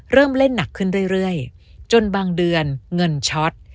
เริ่มเล่นหนักขึ้นเรื่อยจนบางเดือนเงินช็อต